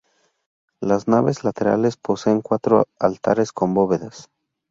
Las naves laterales poseen cuatro altares con bóvedas.